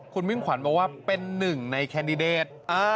คุณมิ่งขวัญบอกว่าเป็นหนึ่งในแคนดิเดต